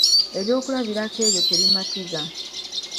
Ebyokulabirako ebyo tebimatiza.